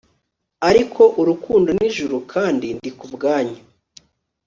ariko urukundo nijuru kandi ndi kubwanyu